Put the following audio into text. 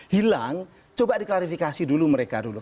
hilang coba diklarifikasi dulu mereka dulu